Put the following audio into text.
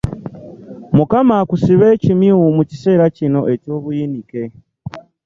Mukama akusibe ekimyu mu kiseera kino eky'obuyinike